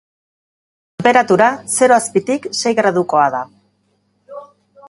Tenperatura zero azpitik sei gradukoa da.